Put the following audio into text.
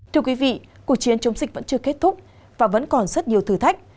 thưa quý vị cuộc chiến chống dịch vẫn chưa kết thúc và vẫn còn rất nhiều thử thách